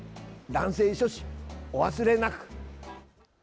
男性諸氏、お忘れなく。